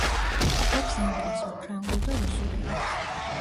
ფლობს ინგლისურ, ფრანგულ და რუსულ ენებს.